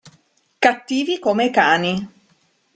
Cattivi come cani.